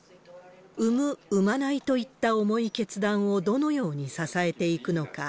産む、産まないといった重い決断をどのように支えていくのか。